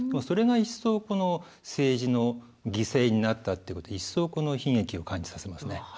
それが一層この政治の犠牲になったってことで一層この悲劇を感じさせますね。